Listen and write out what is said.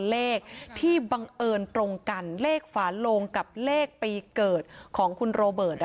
เลขที่บังเอิญตรงกันเลขฝาโลงกับเลขปีเกิดของคุณโรเบิร์ต